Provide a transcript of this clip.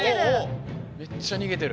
めっちゃ逃げてる。